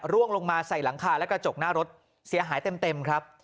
ลงมาใส่หลังคาและกระจกหน้ารถเสียหายเต็มครับ